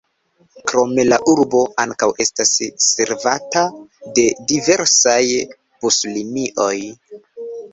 Krome la urbo ankaŭ estas servata de diversaj buslinioj.